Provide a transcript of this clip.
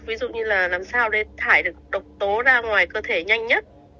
ví dụ như là làm sao để thải được độc tố ra ngoài cơ thể nhanh nhất